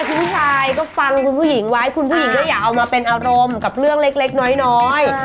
คุณผู้ชายก็ฟังคุณผู้หญิงไว้คุณผู้หญิงก็อย่าเอามาเป็นอารมณ์กับเรื่องเล็กน้อย